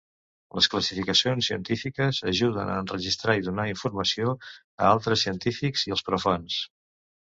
Les classificacions científiques ajuden a enregistrar i donar informacions a altres científics i als profans.